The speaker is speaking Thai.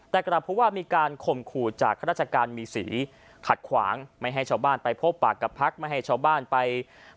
แต่กลับพูดว่ามีการข่มขู่จากราชการมีศรีขัดขวางไม่ให้ชาวบ้านไปพบปากกับภักดิ์